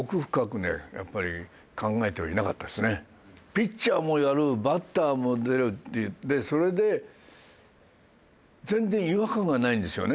ピッチャーもやるバッターも出るっていってそれで全然違和感がないんですよね